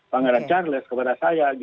pangeran charles kepada saya